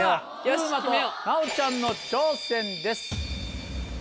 風磨と奈央ちゃんの挑戦です。